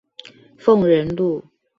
鳳仁路